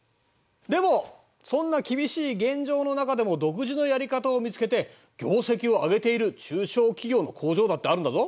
でもそんな厳しい現状の中でも独自のやり方を見つけて業績を上げている中小企業の工場だってあるんだぞ。